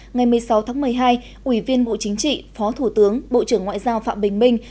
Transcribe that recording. ngày một mươi sáu tháng một mươi hai ủy viên bộ chính trị phó thủ tướng bộ trưởng ngoại giao phạm bình minh